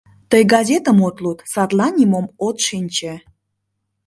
Тый газетым от луд, садлан нимом от шинче.